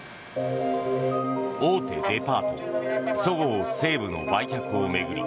大手デパートそごう・西武の売却を巡り